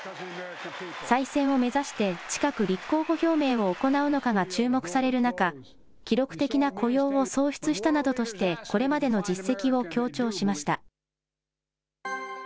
再選を目指して、近く立候補表明を行うのかが注目される中、記録的な雇用を創出したなどとして、これまでの実績を強調しました。